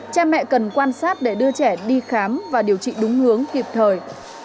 cha mẹ cần quan sát để đưa trẻ đi khám và điều trị đúng hướng kịp thời